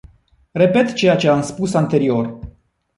Repet ceea ce am spus anterior.